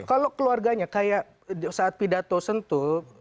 kalau keluarganya kayak saat pidato sentuh